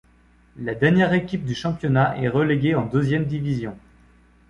La dernière équipe du championnat est reléguée en deuxième division.